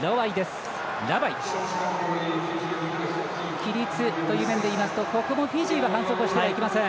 規律という面でいいますとここはフィジーは反則をしてはいけません。